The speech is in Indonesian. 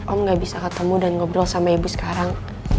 om gak bisa ketemu dan ngobrol sama ibu sekarang